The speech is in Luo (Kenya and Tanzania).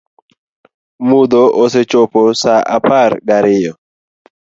Mudho osechopo saa apar ga riyo